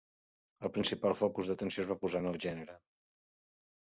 El principal focus d'atenció es va posar en el gènere.